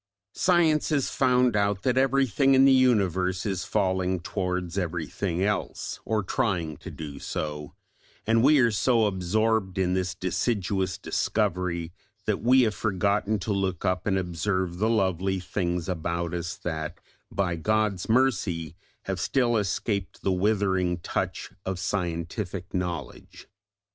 Science has found out that everything in the Universe is falling towards everything else, or trying to do so, and we are so absorbed in this deciduous discovery that we have forgotten to look up and observe the lovely things about us that by God's mercy have still escaped the withering touch of scientific knowledge.